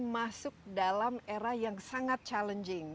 masuk dalam era yang sangat challenging